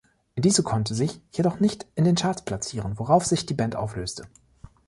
Diese konnte sich jedoch nicht in den Charts platzieren, worauf sich die Band auflöste.